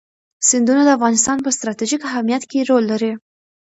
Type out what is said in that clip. سیندونه د افغانستان په ستراتیژیک اهمیت کې رول لري.